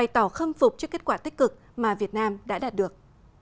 tỏ khâm phục cho kết quả tích cực mà việt nam đã đạt được